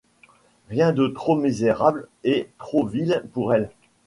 Rien de trop misérable et de trop vil pour elle